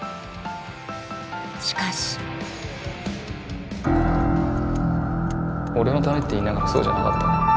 しかし俺のためって言いながらそうじゃなかった。